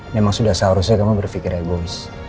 memang sudah seharusnya kamu berpikir egois